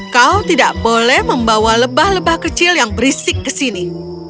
kau tidak boleh membawa lebah lebah kecil yang berisik ke sini